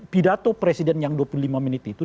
pidato presiden yang dua puluh lima menit itu